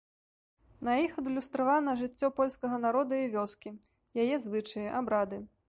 На іх адлюстравана жыццё польскага народа і вёскі, яе звычаі, абрады.